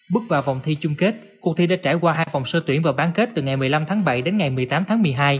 bước vào vòng thi chung kết cuộc thi đã trải qua hai vòng sơ tuyển và bán kết từ ngày một mươi năm tháng bảy đến ngày một mươi tám tháng một mươi hai